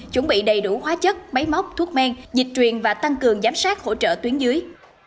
chuẩn bị đầy đủ hóa chất máy móc thuốc men dịch truyền và tăng cường giám sát hỗ trợ tuyến dưới